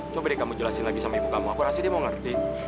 coba deh kamu jelasin lagi sama ibu kamu aku rasa dia mau ngerti